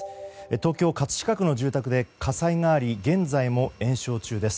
東京・葛飾区の住宅で火災があり現在も延焼中です。